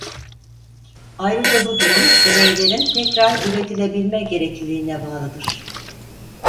Ayrıca bu durum deneylerin tekrar üretilebilme gerekliliğine bağlıdır.